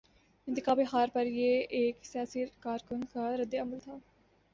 انتخابی ہار پر یہ ایک سیاسی کارکن کا رد عمل تھا۔